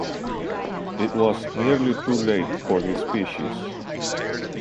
It was nearly too late for the species.